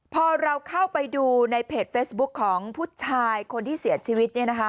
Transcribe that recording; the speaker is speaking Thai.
พอเราเข้าไปดูในเพจเฟซบุ๊คของผู้ชายคนที่เสียชีวิต